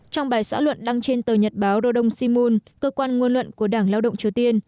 trong bài xã luận đăng trên tờ nhật báo rodong shimun cơ quan ngôn luận của đảng lao động triều tiên